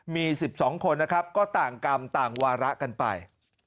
มี๑๒คนนะครับก็ต่างกรรมต่างวาระกันไป